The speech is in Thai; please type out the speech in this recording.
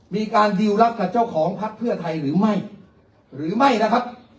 มีการดิวรักกับเจ้าของพักเพื่อไทยหรือไม่หรือไม่นะครับ